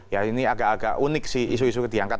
ya ini agak agak unik sih isu isu diangkat